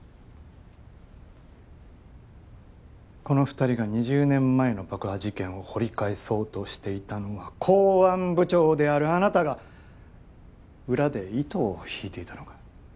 この２人が２０年前の爆破事件を掘り返そうとしていたのは公安部長であるあなたが裏で糸を引いていたのか？